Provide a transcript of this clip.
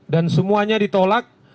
dan semuanya ditolak